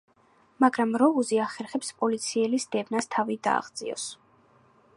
მაგრამ როუზი ახერხებს პოლიციელის დევნას თავი დააღწიოს.